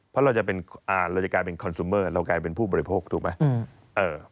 เพราะเราจะกลายเป็นคอนซูเมอร์เรากลายเป็นผู้บริโภคถูกไหม